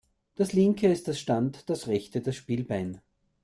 Das linke ist das Stand-, das rechte das Spielbein.